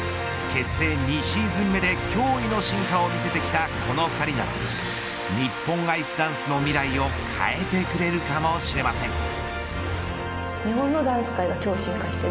結成２シーズン目で驚異の進化を見せてきたこの２人なら日本アイスダンス界の未来を変えてくれるかもしれません。